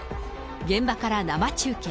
現場から生中継。